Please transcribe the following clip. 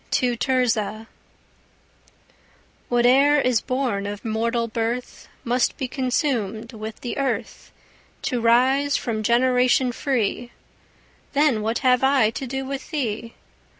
TO TIRZAH Whate'er is born of mortal birth Must be consumèd with the earth, To rise from generation free: Then what have I to do with thee?